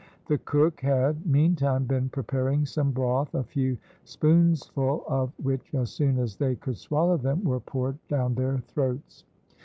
The cook had, meantime, been preparing some broth, a few spoonsful of which as soon as they could swallow them, were poured down their throats.